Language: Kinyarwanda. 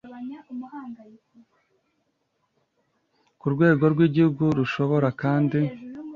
ku rwego rw igihugu rishobora kandi